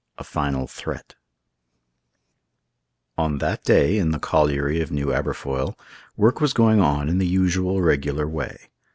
A FINAL THREAT On that day, in the colliery of New Aberfoyle, work was going on in the usual regular way.